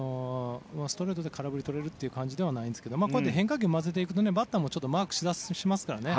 ストレートで空振りをとれる感じではないですがこうやって変化球を混ぜていくとバッターもマークしますからね。